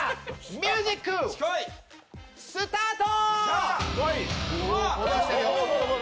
ミュージック、スタート。